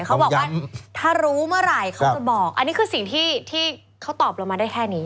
เขาบอกว่าถ้ารู้เมื่อไหร่เขาจะบอกอันนี้คือสิ่งที่เขาตอบเรามาได้แค่นี้